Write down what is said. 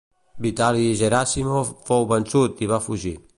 Vitali Geràssimov fou vençut i va fugir.